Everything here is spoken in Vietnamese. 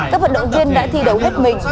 các vận động viên đã thi đấu hết mình